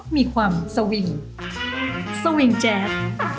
มีความสวิงสวิงแจ๊ด